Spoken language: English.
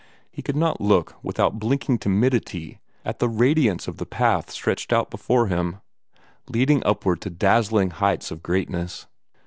He could not look without blinking timidity at the radiance of the path stretched out before him, leading upward to dazzling heights of greatness.